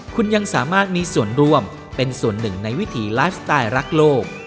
คุณยังสามารถมีส่วนร่วมเป็นส่วนหนึ่งในวิถีไลฟ์สไตล์รักโลก